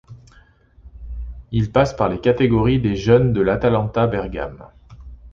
Il passe par les catégories des jeunes de l'Atalanta Bergame.